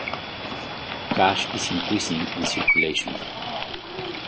Cash is increasing in circulation.